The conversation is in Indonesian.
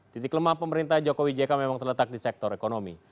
titik lemah pemerintah jokowi jk memang terletak di sektor ekonomi